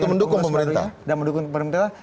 dan untuk mendukung pemerintah